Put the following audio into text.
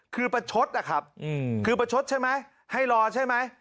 คือประชดนะครับคือประชดใช่ไหมให้รอใช่ไหม